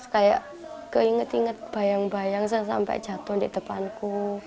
kayak keinget inget bayang bayang saya sampai jatuh di depanku